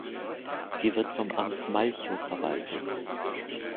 Sie wird vom Amt Malchow verwaltet.